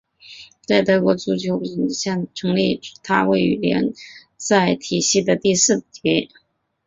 在德国足球丙级联赛成立之前它位于联赛体系的第四级。